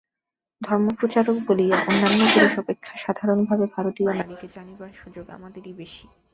ধর্মপ্রচারক বলিয়া অন্যান্য পুরুষ অপেক্ষা সাধারণভাবে ভারতীয় নারীকে জানিবার সুযোগ আমাদেরই বেশী।